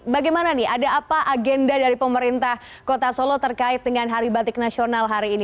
bagaimana nih ada apa agenda dari pemerintah kota solo terkait dengan hari batik nasional hari ini